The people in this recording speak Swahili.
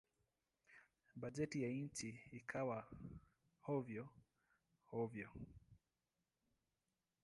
Bajeti ya nchi ikawa hovyo-hovyo.